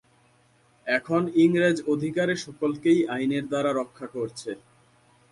এখন ইংরেজ-অধিকারে সকলকেই আইনের দ্বারা রক্ষা করছে।